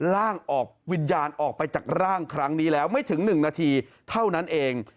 ล่างออกวิญญาณออกไปจากร่างครั้งนี้แล้วไม่ถึง๑นาทีเท่านั้นเอง